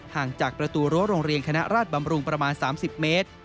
ห่างจากประตูรั้วโรงเรียนคณะราชบำรุงประมาณ๓๐เมตร